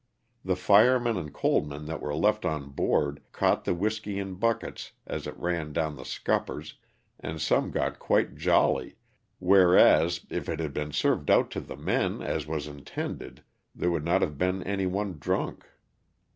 The firemen and coalmen that were left on board caught the whiskey in buckets as it ran down the scuppers and some got quite Jolly, whereas, if it had been served out to the men as was intended there would not have been any one drunk.